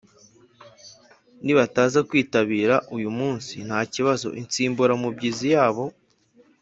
Nibataza kwitabira uyu munsi ntibazabona insimburamubyizi yabo